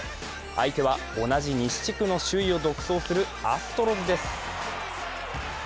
相手は、同じ西地区の首位を独走するアストロズです。